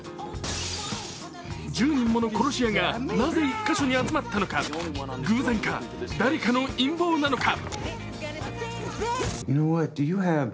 １０人もの殺し屋がなぜ１か所に集まったのか、偶然か、誰かの陰謀なのか？